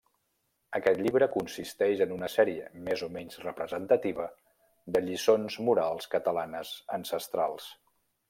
Aquest llibre consisteix en una sèrie, més o menys representativa, de lliçons morals catalanes ancestrals.